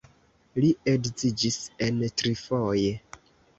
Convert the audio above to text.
Li edziĝis en trifoje.